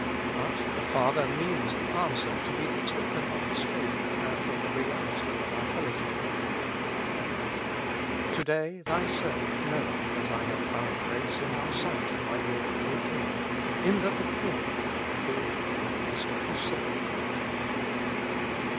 But the Father means the answer to be the token of His favor and of the reality of our fellowship with Him, " To day thy servant knoweth that I have found grace in thy sight, my lord, O king, in that the king hath fulfilled the request of his servant."